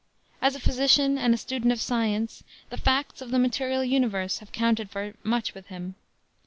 As a physician and a student of science, the facts of the material universe have counted for much with him.